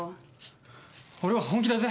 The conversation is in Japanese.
俺は本気だぜ。